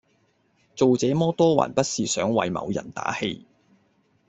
做這麼多還不是想為某人打氣